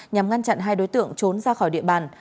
nhằm ngăn chặn hai đối tượng trốn ra khỏi địa bàn